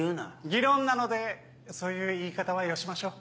議論なのでそういう言い方はよしましょう。